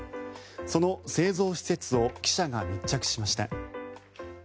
その製造施設を記者が密着しました。